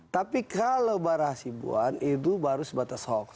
tapi kalau barra azibuan itu baru sebatas hoax